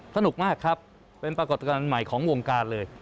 สนุกมากครับเป็นปรากฏการณ์ใหม่ของวงการเลย